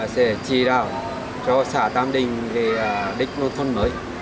sẽ chỉ đạo cho xã tam đình về đích nông thôn mới